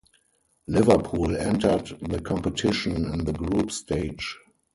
Liverpool entered the competition in the group stage.